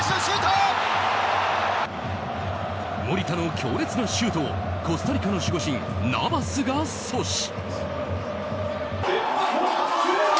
守田の強烈なシュートをコスタリカの守護神ナヴァスが阻止。